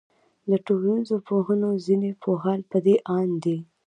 د ټولنيزو پوهنو ځيني پوهان پدې آند دي